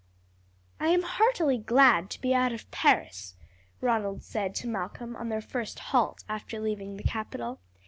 "I am heartily glad to be out of Paris," Ronald said to Malcolm on their first halt after leaving the capital.